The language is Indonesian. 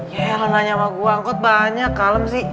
yah elah nyamak gue angkot banyak kalem sih